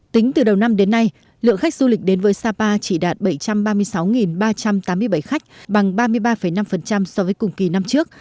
tính từ đầu năm đến nay lượng khách du lịch đến với sapa chỉ đạt bảy trăm ba mươi sáu ba trăm tám mươi bảy khách bằng ba mươi ba năm so với cùng kỳ năm trước